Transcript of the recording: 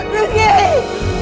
dekat di sini